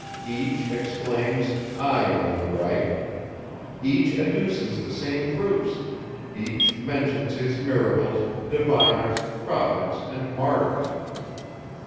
Each exclaims, I am in the right! Each adduces the same proofs: each mentions his miracles, diviners, prophets, and martyrs.